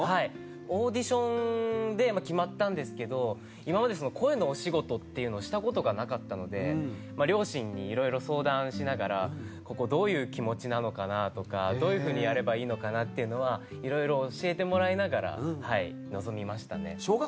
オーディションで決まったんですけど今まで両親に色々相談しながら「ここどういう気持ちなのかな？」とか「どういうふうにやればいいのかな？」っていうのは色々教えてもらいながら臨みましたね。